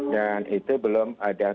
dan itu belum ada